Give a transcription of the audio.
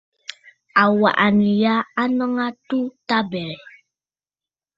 Àŋwàʼànə̀ ya a nɔŋə a atu tabɛ̀rə̀.